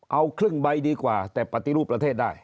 เอาครึ่งใบดีกว่าแต่ปฏิรูปประเทศได้